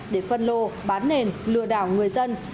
để phân lô bán nền lừa đảo người dân